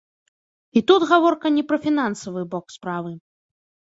І тут гаворка не пра фінансавы бок справы.